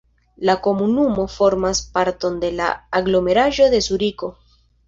La komunumo formas parton de la aglomeraĵo de Zuriko.